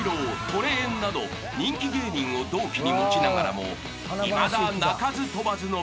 トレエンなど人気芸人を同期に持ちながらもいまだ］